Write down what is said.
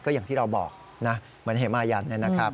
อย่างที่เราบอกนะเหมือนเหมายันนะครับ